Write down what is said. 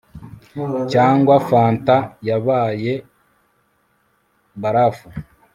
cyangwa fanta yabaye barafu